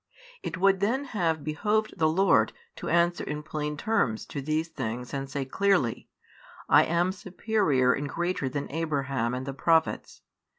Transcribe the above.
It |673 would then have behoved the Lord to answer in plain terms to these things and say clearly, I am superior and greater than Abraham and the prophets.